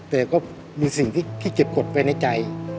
แต่ก็มีสิ่งที่เก็บกฎไปในใจ